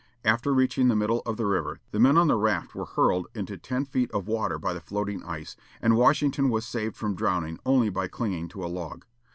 After reaching the middle of the river the men on the raft were hurled into ten feet of water by the floating ice, and Washington was saved from drowning only by clinging to a log.